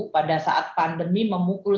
pada saat pandemi memukul